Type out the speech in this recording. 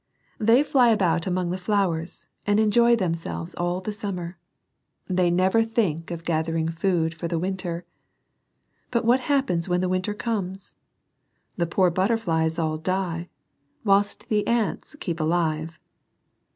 They fly about among the flowers, and enjoy them selves all the summer. They never think of gathering food for the winter. But what hap pens when the winter comes ? The poor but terflies all die, whilst the ants keep alive.